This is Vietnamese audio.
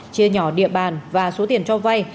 chia nhỏ địa bàn và số tiền cho vay